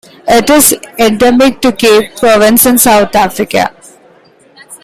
It is endemic to Cape Province in South Africa.